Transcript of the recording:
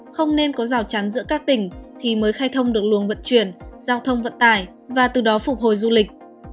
không nên có rào chắn giữa các tỉnh thì mới khai thông được luồng vận chuyển giao thông vận tải và từ đó phục hồi du lịch